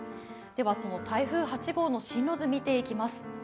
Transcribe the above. では、その台風８号の進路図見ていきます。